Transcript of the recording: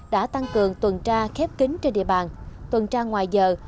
đã tăng cường tuần tra khép kín trên địa bàn tuần tra ngoài giờ